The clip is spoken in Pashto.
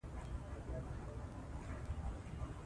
لوستې میندې د ماشومانو د خوړو وخت منظم ساتي.